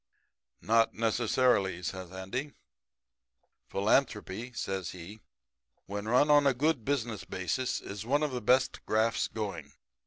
"'Not necessarily,' says Andy. 'Philanthropy,' says he, 'when run on a good business basis is one of the best grafts going.